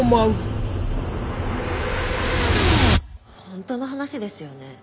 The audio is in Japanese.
本当の話ですよね？